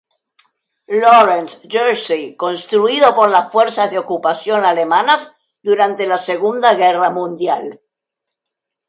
Lawrence, Jersey, construido por las fuerzas de ocupación alemanas durante la Segunda Guerra Mundial.